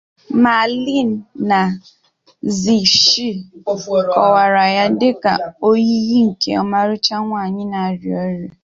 Ma Lin na Xi Shi kọwara ya dị ka oyiyi nke ọmarịcha nwanyị na-arịa ọrịa.